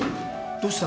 どうした？